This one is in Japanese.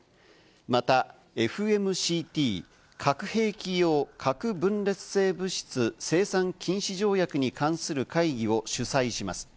また、ＦＭＣＴ＝核兵器用核分裂性物質生産禁止条約に関する会議を主催します。